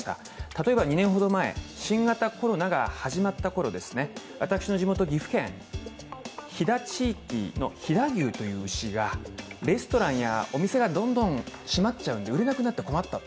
例えば２年ほど前、新型コロナが始まったころ、私の地元・岐阜県飛騨地域の飛騨牛という牛がレストランやお店がどんどん閉まっちゃうので売れなくなって困った。